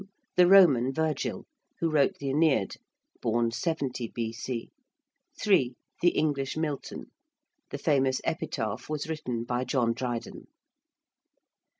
the Roman Virgil, who wrote the 'Æneid' (born 70 B.C.); iii. the English Milton. The famous epitaph was written by John Dryden.